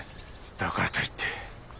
だからといって。